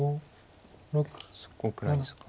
そこくらいですか。